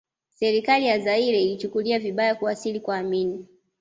Serikali ya Zairea ilichukulia vibaya kuwasili kwa Amin